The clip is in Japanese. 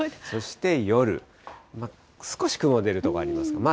そして夜、少し雲が出る所あります。